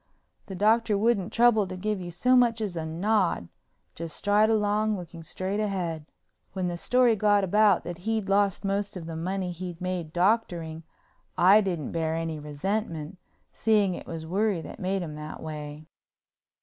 The Doctor wouldn't trouble to give you so much as a nod, just stride along looking straight ahead. When the story got about that he'd lost most of the money he'd made doctoring I didn't bear any resentment, seeing it was worry that made him that way.